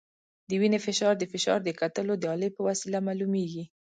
د وینې فشار د فشار د کتلو د الې په وسیله معلومېږي.